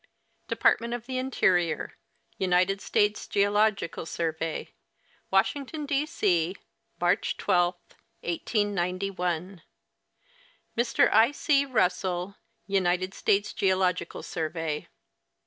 Department of the Interior, United States Geological Survey, Washington, D. C, March 12, 1891. Mr. I. C. Russell, United States Geological Survey.